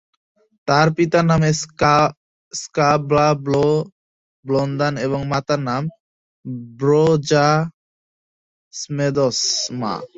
তাঁর পিতার নাম স্কা-বা-ব্লো-ল্দান এবং মাতার নাম 'ব্রো-ব্জা-ম্দ্জেস-মা।